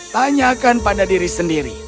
tanyakan pada diri sendiri